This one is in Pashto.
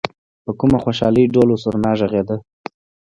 په کومه خوشالۍ ډول او سرنا غږېده.